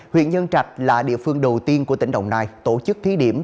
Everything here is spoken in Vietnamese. huyện nhân trạch là địa phương đầu tiên của tỉnh đồng nai tổ chức thí điểm